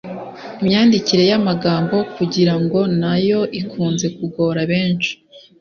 Imyandikire y’amagambo “kugira ngo” na yo ikunze kugora benshi